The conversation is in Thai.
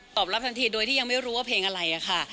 รับทันทีโดยที่ยังไม่รู้ว่าเพลงอะไรอะค่ะ